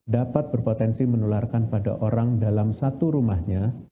dapat berpotensi menularkan pada orang dalam satu rumahnya